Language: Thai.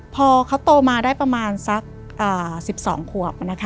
พอเขาโตมาได้ประมาณสัก๑๒ขวบ